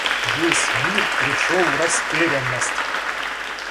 Весь мир пришел в растерянность.